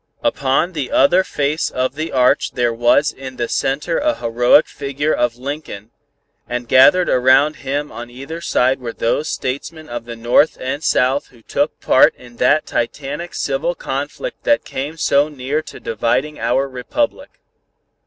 Upon the other face of the arch there was in the center a heroic figure of Lincoln and gathered around him on either side were those Statesmen of the North and South who took part in that titanic civil conflict that came so near to dividing our Republic.